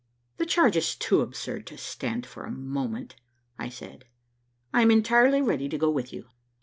"The charge is too absurd to stand for a moment," I said. "I am entirely ready to go with you."